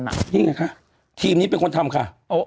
นี่ไงคะทีมนี้เป็นคนทำค่ะ